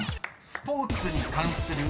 ［スポーツに関する］